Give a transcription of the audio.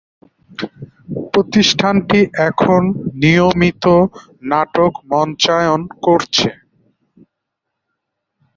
প্রতিষ্ঠানটি এখন নিয়মিত নাটক মঞ্চায়ন করছে।